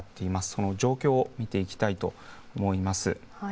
その状況を見ていきたいと思います。